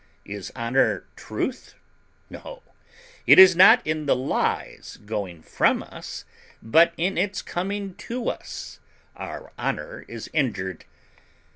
Is honour truth? No; it is not in the lie's going from us, but in its coming to us, our honour is injured.